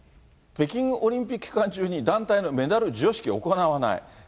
北京オリンピック期間中に団体のメダル授与式は行わない。